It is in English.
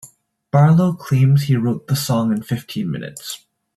Barlow claims he wrote the song in fifteen minutes.